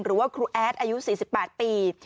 หรือว่าครูแอดอายุ๔๘ปี